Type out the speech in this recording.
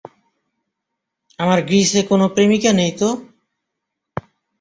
আমার গ্রীসে কোন প্রেমিকা নেই তো।